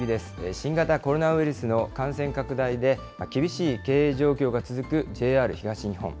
新型コロナウイルスの感染拡大で、厳しい経営状況が続くＪＲ東日本。